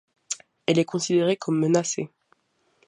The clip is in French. Elle est considérée comme menacée.